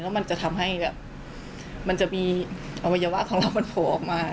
แล้วมันจะทำให้แบบมันจะมีอวัยวะของเรามันโผล่ออกมา